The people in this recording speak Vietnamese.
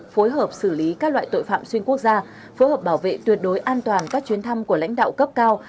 phối hợp xử lý các loại tội phạm xuyên quốc gia phối hợp bảo vệ tuyệt đối an toàn các chuyến thăm của lãnh đạo cấp cao